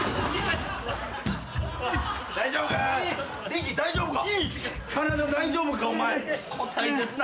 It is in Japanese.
力大丈夫か？